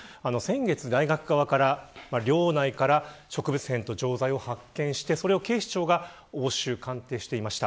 先月、大学側から寮内から植物片と錠剤を発見し警視庁が押収鑑定していました。